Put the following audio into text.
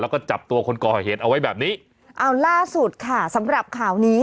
แล้วก็จับตัวคนก่อเหตุเอาไว้แบบนี้เอาล่าสุดค่ะสำหรับข่าวนี้